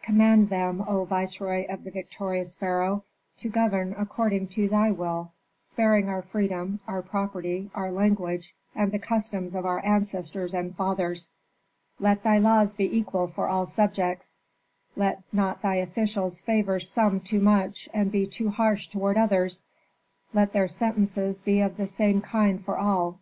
Command them, O viceroy of the victorious pharaoh, to govern according to thy will, sparing our freedom, our property, our language, and the customs of our ancestors and fathers. An inscription on the monument of Horem Hep, 1470 years B. C. "Let thy laws be equal for all subjects, let not thy officials favor some too much and be too harsh toward others; let their sentences be of the same kind for all.